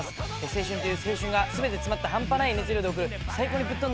青春という青春が全て詰まった半端ない熱量で送る最高にぶっ飛んだエンタメ映画。